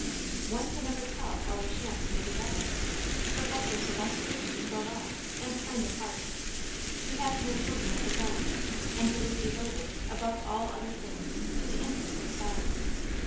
One can never tell how a "chance" may develop. Professor Sylvestre was well off, and kind of heart. He had no children of his own, and he was devoted, above all other things, to the interest of science.